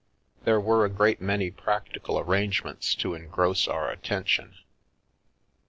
There were a great many practical arrangements to engross our attention.